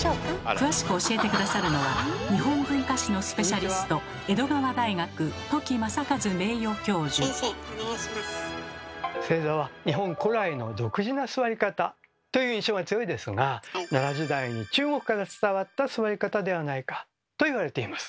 詳しく教えて下さるのは日本文化史のスペシャリスト正座は日本古来の独自な座り方という印象が強いですが奈良時代に中国から伝わった座り方ではないかと言われています。